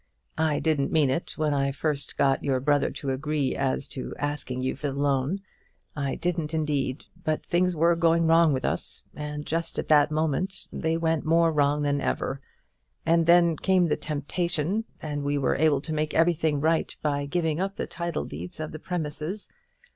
I didn't mean it when I first got your brother to agree as to asking you for the loan; I didn't indeed; but things were going wrong with us, and just at that moment they went more wrong than ever; and then came the temptation, and we were able to make everything right by giving up the title deeds of the premises.